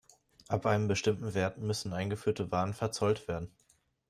Ab einem bestimmten Wert müssen eingeführte Waren verzollt werden.